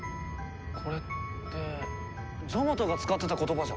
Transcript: これってジャマトが使ってた言葉じゃ？